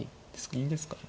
銀ですかね。